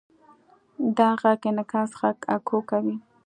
د غږ انعکاس غږ اکو کوي.